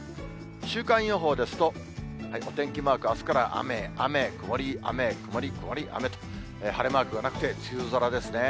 週間予報ですと、お天気マーク、あすから雨、雨、曇り、雨、曇り、曇り、雨と、晴れマークがなくて、梅雨空ですね。